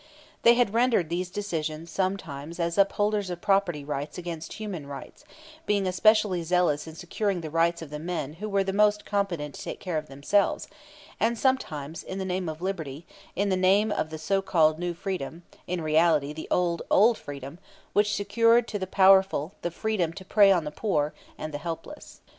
They had rendered these decisions sometimes as upholders of property rights against human rights, being especially zealous in securing the rights of the very men who were most competent to take care of themselves; and sometimes in the name of liberty, in the name of the so called "new freedom," in reality the old, old "freedom," which secured to the powerful the freedom to prey on the poor and the helpless.